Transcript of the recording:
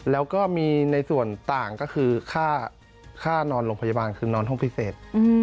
แล้วก็มีในส่วนต่างก็คือค่านอนโรงพยาบาลคือนอนห้องพิเศษ